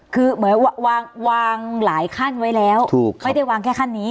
คือเหมือนวางวางหลายขั้นไว้แล้วไม่ได้วางแค่ขั้นนี้